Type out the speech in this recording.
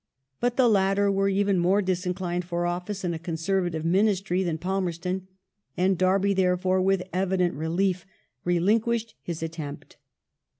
But the latter were even more disinclined for office in a Conservative Ministry than Palmerston, and Derby therefore, with evident relief, relinquished his attempt.